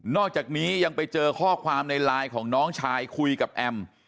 อกจากนี้ยังไปเจอข้อความในไลน์ของน้องชายคุยกับแอม